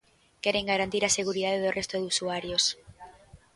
Queren garantir a seguridade do resto de usuarios.